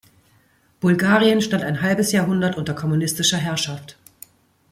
Bulgarien stand ein halbes Jahrhundert unter kommunistischer Herrschaft.